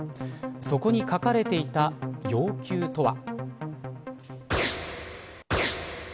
そこに書かれていた要求とは。